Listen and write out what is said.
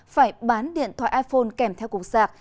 phải bán điện thoại iphone kèm theo cục sạc